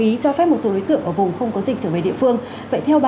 thì vì sao lại có sự bất đồng như vậy